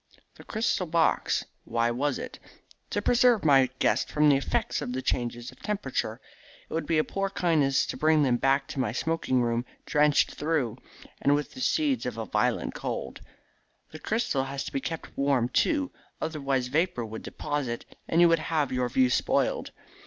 "The crystal box? Why was it?" "To preserve my guests from the effects of the changes of temperature. It would be a poor kindness to bring them back to my smoking room drenched through, and with the seeds of a violent cold. The crystal has to be kept warm, too, otherwise vapour would deposit, and you would have your view spoiled.